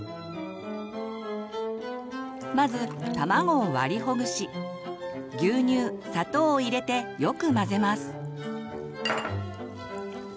まず卵を割りほぐし牛乳砂糖を入れてよく混ぜます。